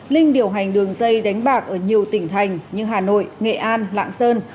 linh điều hành đường dây đánh bạc ở nhiều tỉnh thành như hà nội nghệ an lạng sơn